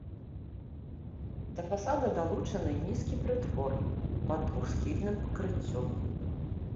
Да фасада далучаны нізкі прытвор пад двухсхільным пакрыццём.